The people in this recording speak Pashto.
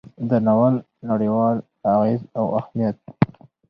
د ناول نړیوال اغیز او اهمیت: